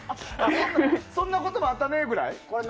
そんなこともあったねくらい。